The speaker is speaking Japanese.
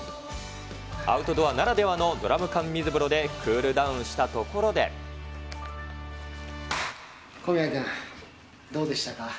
アウトドアならではのドラム缶水風呂でクールダウンしたとこ小宮君、どうでしたか？